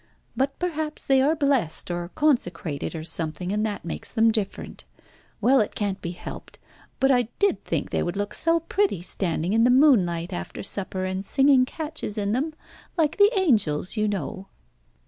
But perhaps they are blessed, or consecrated, or something, and that makes them different. Well, it can't be helped, but I did think they would look so pretty standing in the moonlight after supper and singing catches in them like the angels, you know."